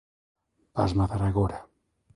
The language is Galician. Vasma dar agora.